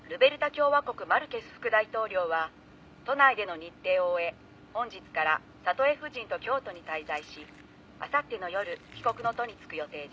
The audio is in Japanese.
共和国マルケス副大統領は都内での日程を終え本日からサトエ夫人と京都に滞在しあさっての夜帰国の途につく予定です」